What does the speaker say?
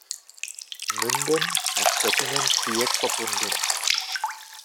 Münden nach Göttingen führt verbunden.